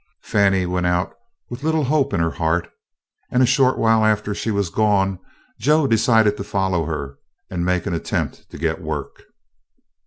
Fannie went out with little hope in her heart, and a short while after she was gone Joe decided to follow her and make an attempt to get work.